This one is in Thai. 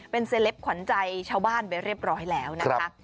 เป็นเซลปขวัญใจชาวบ้านไปเรียบร้อยแล้วนะคะ